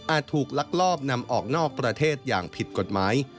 ถูกลักลอบนำออกนอกประเทศอย่างผิดกฎหมาย